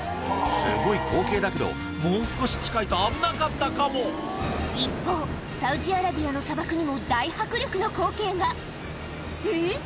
すごい光景だけどもう少し近いと危なかったかも一方にも大迫力の光景がえっ？